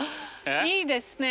いいですね。